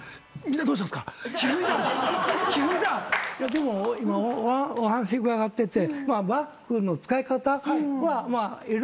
でも今お話伺ってて。